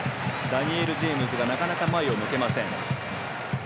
ダニエル・ジェームズがなかなか前を向けません。